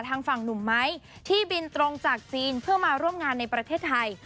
ทางฝั่งหนุ่มไม้ที่บินตรงจากจีนเพื่อมาร่วมงานในประเทศไทย